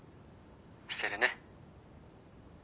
捨てるね。